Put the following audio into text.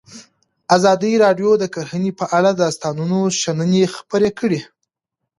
ازادي راډیو د کرهنه په اړه د استادانو شننې خپرې کړي.